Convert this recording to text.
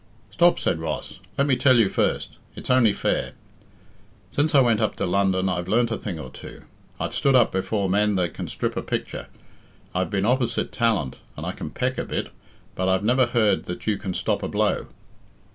"Stop," said Ross, "let me tell you first; it's only fair. Since I went up to London I've learnt a thing or two. I've stood up before men that can strip a picture; I've been opposite talent and I can peck a bit, but I've never heard that you can stop a blow."